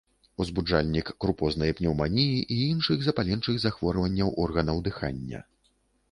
Узбуджальнік крупознай пнеўманіі і іншых запаленчых захворванняў органаў дыхання.